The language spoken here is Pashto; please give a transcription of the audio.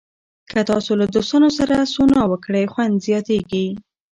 که تاسو له دوستانو سره سونا وکړئ، خوند زیاتېږي.